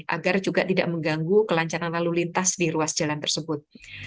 agar juga tidak mengganggu kelancaran lalu lintas di ruas jalan tersebut